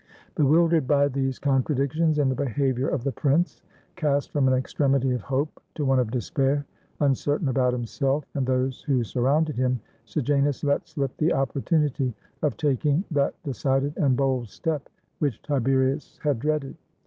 Bewildered by these contradictions in the behavior of the Prince, cast from an extremity of hope to one of despair, uncertain about himself and those who sur rounded him, Sejanus let slip the opportunity of taking that decided and bold step which Tiberius had dreaded.